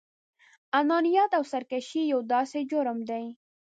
انانيت او سرکشي يو داسې جرم دی.